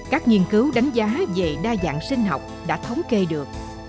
các nghiên cứu đánh giá về đa dạng sinh học đã thống kê được